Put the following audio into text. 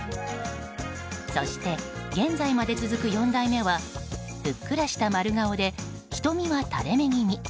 そして、現在まで続く４代目はふっくらした丸顔で瞳は、たれ目気味。